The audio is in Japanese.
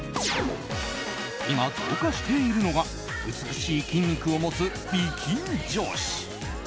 今、増加しているのが美しい筋肉を持つ美筋女子。